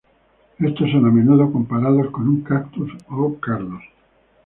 Estos son a menudo comparados con un cactus o cardos.